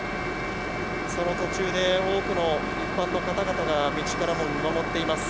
その途中で多くの一般の方々が道からも見守っています。